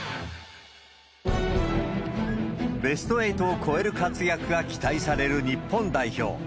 ベスト８を超える活躍が期待される日本代表。